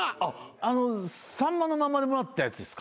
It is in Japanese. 『さんまのまんま』でもらったやつですか？